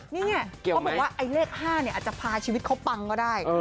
นี่ไงเขาบอกว่าไอ้เลข๕อาจจะพาชีวิตเขาปังก็ได้